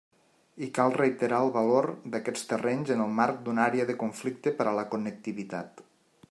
I cal reiterar el valor d'aquests terrenys en el marc d'una àrea de conflicte per a la connectivitat.